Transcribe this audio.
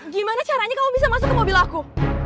gimana caranya kalau bisa masuk ke mobil aku